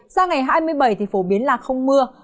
sang ngày hai mươi bảy thì phổ biến là không mưa